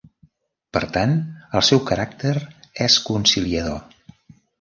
Per tant, el seu caràcter és conciliador.